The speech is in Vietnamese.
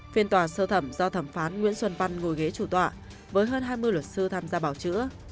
phiên tòa sơ thẩm do thẩm phán nguyễn xuân văn ngồi ghế chủ tọa với hơn hai mươi luật sư tham gia bảo chữa